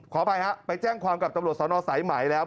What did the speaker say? ขออภัยฮะไปแจ้งความกับตำรวจสนสายไหมแล้ว